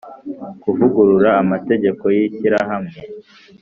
Kuvugurura amategeko y ishyirahamwe